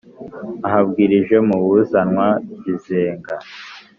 ahabwirije mu buzanwa-bizenga.